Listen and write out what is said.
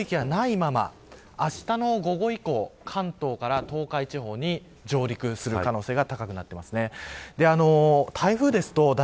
このまま暴風域はないままあしたの午後以降関東から東海地方に上陸する可能性が高くなっています。